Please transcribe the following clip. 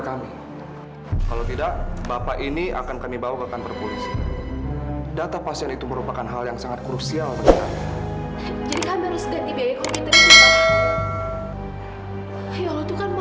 ya allah itu kan mahal banget om